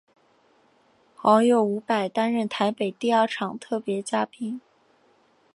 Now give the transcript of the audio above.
好友伍佰担任台北第二场特别嘉宾。